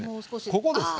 ここですか？